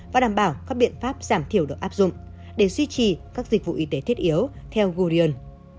và đảm bảo các biện pháp giảm thiểu được áp dụng để duy trì các dịch vụ y tế thiết yếu theo gorion